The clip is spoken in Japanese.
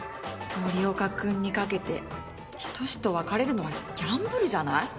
森岡君にかけて仁と別れるのはギャンブルじゃない？